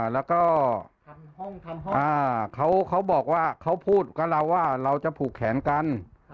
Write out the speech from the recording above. แล้วก็เขาบอกว่าเขาพูดกับเราว่าเราจะผูกแขนกัน